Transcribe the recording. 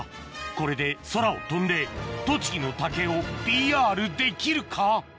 これで空を飛んで栃木の竹をＰＲできるか？